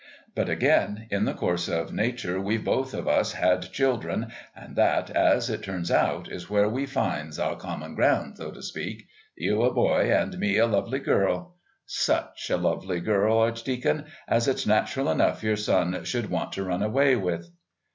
But, again, in the course of nature we've both of us had children and that, as it turns out, is where we finds our common ground, so to speak you a boy and me a lovely girl. Such a lovely girl, Archdeacon, as it's natural enough your son should want to run away with."